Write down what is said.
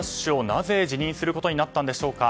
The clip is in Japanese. なぜ辞任することになったんでしょうか。